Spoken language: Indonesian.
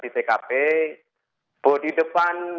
bodi depan membentur bodi depan